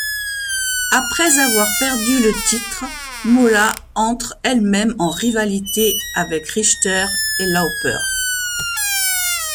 Après avoir perdu le titre, Moolah entre elle-même en rivalité avec Richter et Lauper.